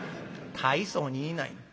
「大層に言いないな。